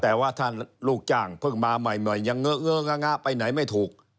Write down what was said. แต่ว่าถ้าลูกจ้างเพิ่งมาใหม่ยังเงอะเอะงะงะไปไหนไม่ถูก